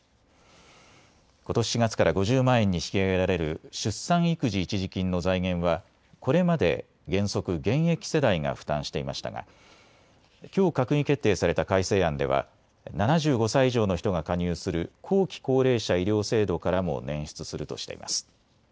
ことし４月から５０万円に引き上げられる出産育児一時金の財源はこれまで原則、現役世代が負担していましたがきょう閣議決定された改正案では７５歳以上の人が加入する後期高齢者医療制度からも捻出するとしています。